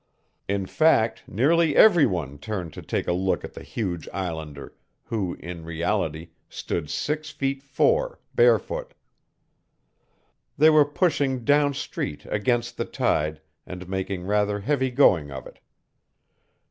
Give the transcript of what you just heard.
In fact, nearly every one turned to take a look at the huge islander, who, in reality, stood six feet four, barefoot. They were pushing down street against the tide and making rather heavy going of it.